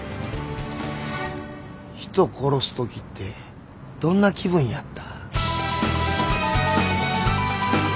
人殺すときってどんな気分やった？